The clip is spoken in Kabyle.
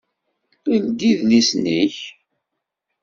Ldi idlisen-ik!